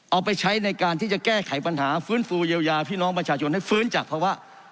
เอาไปใช้ในการที่จะแก้ไขปัญหาฟื้นฟูเยียวยาพี่น้องประชาชนให้ฟื้นจากภาวะ